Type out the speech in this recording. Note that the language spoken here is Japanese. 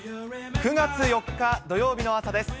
９月４日土曜日の朝です。